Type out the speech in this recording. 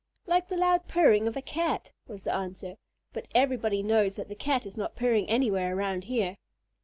"Like the loud purring of a Cat," was the answer, "but everybody knows that the Cat is not purring anywhere around here."